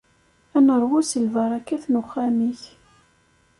Ad neṛwu si lbarakat n uxxam-ik.